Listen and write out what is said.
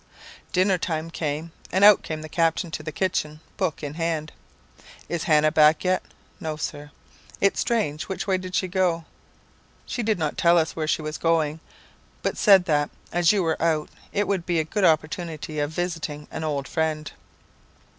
"Dinner time came, and out came the captain to the kitchen, book in hand. "'Isn't Hannah back yet?' "'No, Sir.' "'It's strange. Which way did she go?' "'She did not tell us where she was going; but said that, as you were out, it would be a good opportunity of visiting an old friend.'